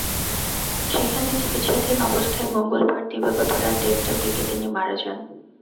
সেখানে চিকিৎসাধীন অবস্থায় মঙ্গলবার দিবাগত রাত দেড়টার দিকে তিনি মারা যান।